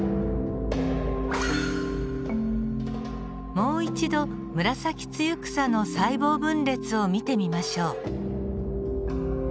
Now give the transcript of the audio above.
もう一度ムラサキツユクサの細胞分裂を見てみましょう。